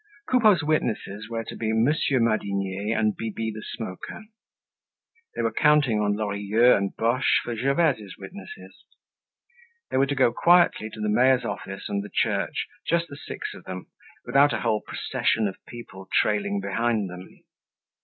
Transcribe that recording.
Coupeau's witnesses were to be Monsieur Madinier and Bibi the Smoker. They were counting on Lorilleux and Boche for Gervaise's witnesses. They were to go quietly to the mayor's office and the church, just the six of them, without a whole procession of people trailing behind them.